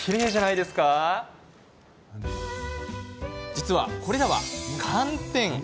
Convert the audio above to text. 実は、これらは寒天。